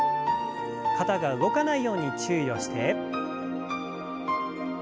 肩が動かないように注意をして。